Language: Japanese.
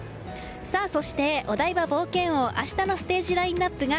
そして、お台場冒険王明日のステージラインアップが